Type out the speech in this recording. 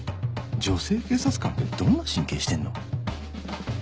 女性警察官ってどんな神経してんの？